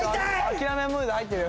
諦めムード入ってるよ